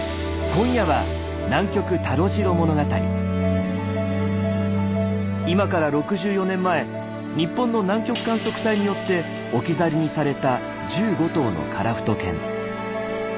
今夜は今から６４年前日本の南極観測隊によって置き去りにされた１５頭のカラフト犬。